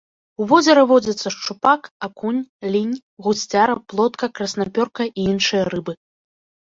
У возеры водзяцца шчупак, акунь, лінь, гусцяра, плотка, краснапёрка і іншыя рыбы.